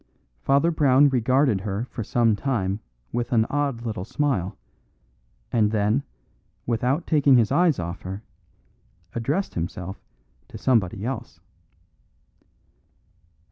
Father Brown regarded her for some time with an odd little smile, and then, without taking his eyes off her, addressed himself to somebody else.